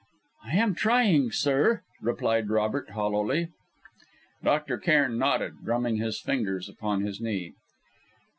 "I am trying, sir," replied Robert hollowly. Dr. Cairn nodded, drumming his fingers upon his knee.